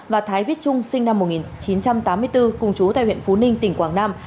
và thái viết trung sinh năm một nghìn chín trăm tám mươi bốn cùng chú tại huyện phú ninh tỉnh quảng nam